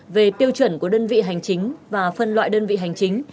về tiêu chuẩn của đơn vị hành chính và phân loại đơn vị hành chính